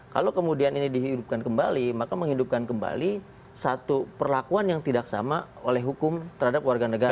kalau kemudian ini dihidupkan kembali maka menghidupkan kembali satu perlakuan yang tidak sama oleh hukum terhadap warga negara